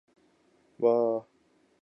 わー